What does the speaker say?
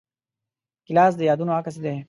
ګیلاس د یادونو عکس دی.